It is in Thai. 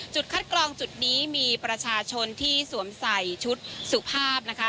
คัดกรองจุดนี้มีประชาชนที่สวมใส่ชุดสุภาพนะคะ